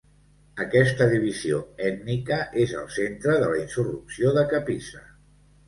Aquesta divisió ètnica és al centre de la insurrecció de Kapisa.